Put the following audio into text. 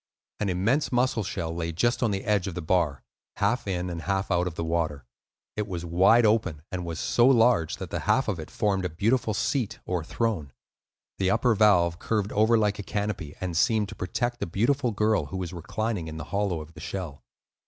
An immense mussel shell lay just on the edge of the bar, half in and half out of the water. It was wide open, and was so large that the half of it formed a beautiful seat or throne. The upper valve curved over like a canopy, and seemed to protect a beautiful girl who was reclining in the hollow of the shell.